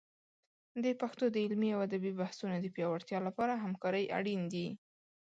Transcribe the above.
د پښتو د علمي او ادبي بحثونو د پیاوړتیا لپاره همکارۍ اړین دي.